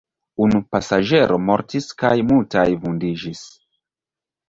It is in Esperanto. Unu pasaĝero mortis kaj multaj vundiĝis.